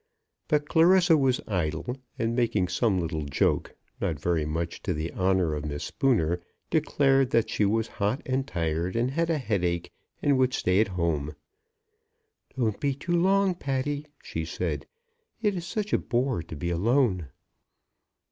But Clarissa was idle, and making some little joke, not very much to the honour of Miss Spooner, declared that she was hot and tired, and had a headache, and would stay at home. "Don't be long, Patty," she said; "it is such a bore to be alone."